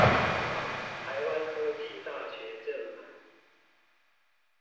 臺灣科技大學正門